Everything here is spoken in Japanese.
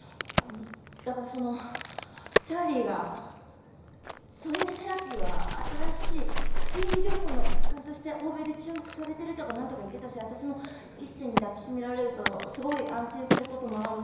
だからそのチャーリーが添い寝セラピーは新しい心理療法の一環として欧米で注目されてるとかなんとか言ってたし私も一星に抱きしめられるとすごい安心する事もあるし。